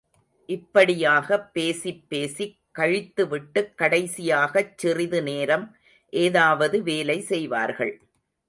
இப்படியாகப் பேசிப் பேசிக் கழித்துவிட்டுக் கடைசியாகச் சிறிது நேரம் ஏதாவது வேலைசெய்வார்கள்.